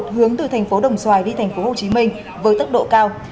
hướng từ thành phố đồng xoài đi thành phố hồ chí minh với tốc độ cao